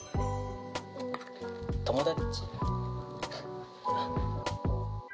「友達」